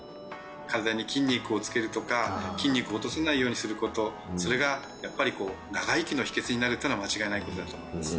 身体に筋肉をつけるとか筋肉を落とさないようにすることそれがやっぱりこう長生きの秘訣になるっていうのは間違いないことだと思います